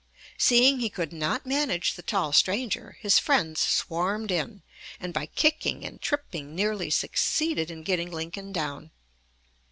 Seeing he could not manage the tall stranger, his friends swarmed in, and by kicking and tripping nearly succeeded in getting Lincoln down.